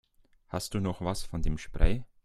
Hast du noch was von dem Spray?